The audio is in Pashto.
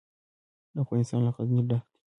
افغانستان له غزني ډک دی.